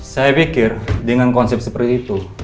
saya pikir dengan konsep seperti itu